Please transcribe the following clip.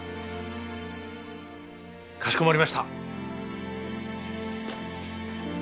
かしこまりました！